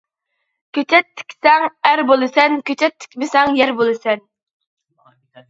كۆچەت تىكسەڭ ئەر بولىسەن، كۆچەت تىكمىسەڭ يەر بولىسەن.